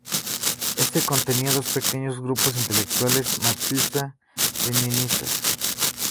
Este contenía dos pequeños grupos intelectuales marxista-leninistas.